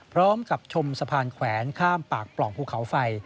ชมสะพานแขวนข้ามปากปล่องภูเขาไฟ